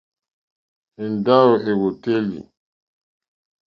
Èndáwò èwòtélì.